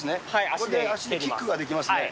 足でキックができますね。